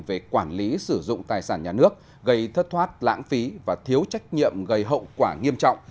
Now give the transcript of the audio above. về quản lý sử dụng tài sản nhà nước gây thất thoát lãng phí và thiếu trách nhiệm gây hậu quả nghiêm trọng